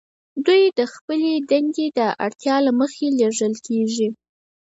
دوی د خپلې دندې د اړتیا له مخې لیږل کیږي